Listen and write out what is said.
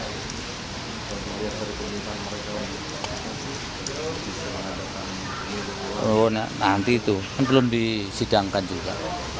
baca permona nanti itu belum disidangkan juga